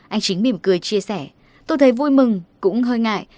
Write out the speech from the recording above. anh chính mỉm cười chia sẻ tôi thấy vui mừng cũng hơi ngại